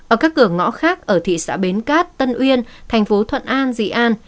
ở các cửa ngõ khác ở thị xã bến cát tân uyên thành phố thuận an